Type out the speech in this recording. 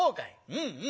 うんうん。